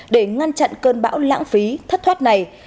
để ngăn chặn cơn bão lãng phí thất thoát này